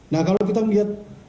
nah kalau kita melihat